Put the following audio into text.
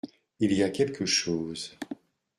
Il y a quelque chose…